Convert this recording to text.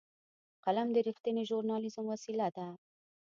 قلم د رښتینې ژورنالېزم وسیله ده